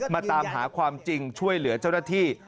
มาตามหาความจริงช่วยเหลือเจ้าหน้าที่